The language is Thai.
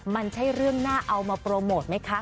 มันใช่เรื่องน่าเอามาโปรโมทไหมคะ